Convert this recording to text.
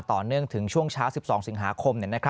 ต่อเนื่องถึงช่วงเช้า๑๒สิงหาคม